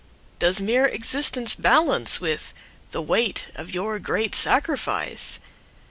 Does mere existence balance withThe weight of your great sacrifice?